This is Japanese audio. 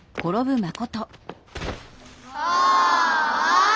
ああ！